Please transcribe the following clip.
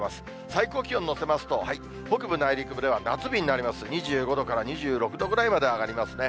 最高気温乗せますと、北部、内陸部では夏日になります、２５度から２６度ぐらいまで上がりますね。